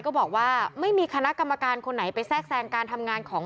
ก็บอกว่าไม่มีคณะกรรมการคนไหนไปแทรกแทรงการทำงานของ